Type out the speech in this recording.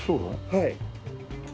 はい。